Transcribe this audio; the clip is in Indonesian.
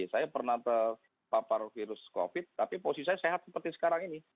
saya pernah terpapar virus covid tapi posisi saya sehat seperti sekarang ini